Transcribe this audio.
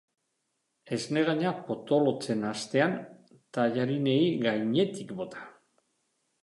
Esnegaina potolotzen hastean, tailarinei gainetik bota.